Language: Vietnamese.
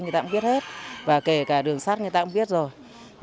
người ta cũng biết hết và kể cả đường sắt người ta cũng biết rồi